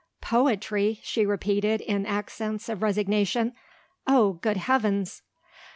"Poetry?" she repeated, in accents of resignation. "Oh, good heavens!"